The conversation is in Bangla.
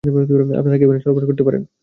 আপনারা কেবিনে চলাফেরা করতে পারেন।